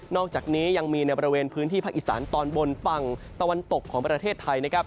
อกจากนี้ยังมีในบริเวณพื้นที่ภาคอีสานตอนบนฝั่งตะวันตกของประเทศไทยนะครับ